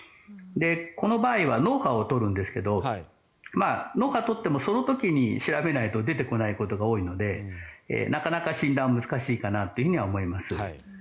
この場合は脳波をとるんですが脳波をとってもその時に調べないと出てこないことが多いのでなかなか診断が難しいかなと思います。